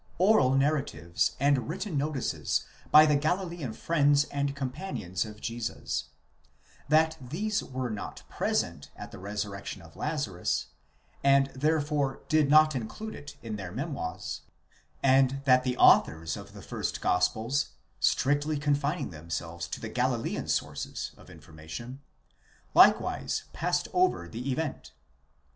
oral narratives and written notices by the Galilean friends and compa nions of Jesus ; that these were not present at the resurrection of Lazarus, and therefore did not include it in their memoirs; and that the authors of the first gospels, strictly confining themselves to the Galilean sources of informa tion, likewise passed over the event.